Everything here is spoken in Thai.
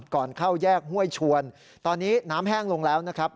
ก่อนเข้าแยกห้วยชวนตอนนี้น้ำแห้งลงแล้วนะครับ